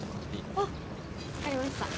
あっ分かりました